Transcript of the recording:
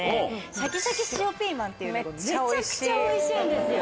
シャキシャキ塩ピーマンっていうのがめちゃくちゃおいしいんですよ。